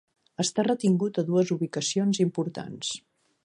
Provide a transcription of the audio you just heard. Està retingut a dues ubicacions importants.